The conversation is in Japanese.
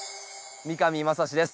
三上真史です。